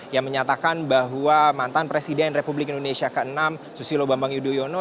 yang menyatakan bahwa mantan presiden republik indonesia ke enam susilo bambang yudhoyono